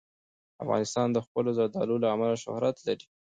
افغانستان د خپلو زردالو له امله شهرت لري.